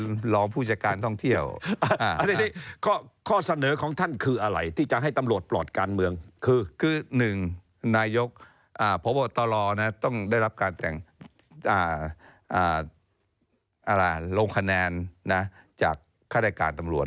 นายกโปรโตรต้องได้รับการลงคะแนนจากข้าวรายการตำรวจ